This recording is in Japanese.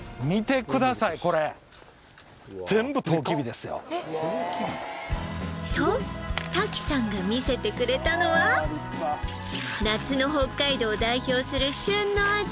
これと滝さんが見せてくれたのは夏の北海道を代表する旬の味